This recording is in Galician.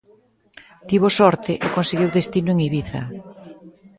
Tivo sorte e conseguiu destino en Ibiza.